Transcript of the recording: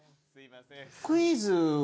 クイズは。